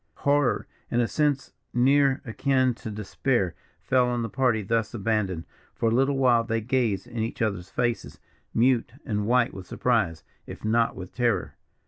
Horror, and a sense near akin to despair, fell on the party thus abandoned. For a little while they gazed in each other's faces, mute and white with surprise, if not with terror.